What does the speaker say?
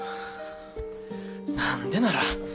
何でなら？